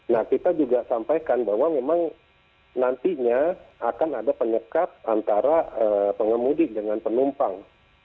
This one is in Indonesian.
nah kita juga sampaikan bahwa memang nantinya akan ada penyekat antara pengemudi dengan penumpang